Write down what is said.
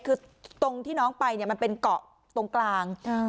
คือตรงที่น้องไปเนี่ยมันเป็นเกาะตรงกลาง